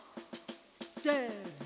せの！